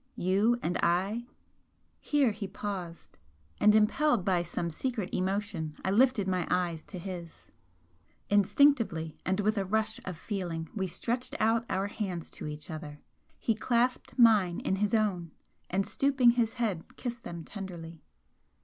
You and I" here he paused, and impelled by some secret emotion I lifted my eyes to his. Instinctively, and with a rush of feeling, we stretched out our hands to each other. He clasped mine in his own, and stooping his head kissed them tenderly.